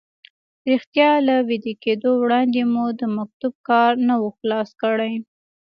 رښتیا له ویده کېدو وړاندې مو د مکتوب کار نه و خلاص کړی.